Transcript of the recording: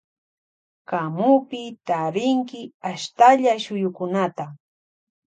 Kamupi tarinki ashtalla shuyukunata.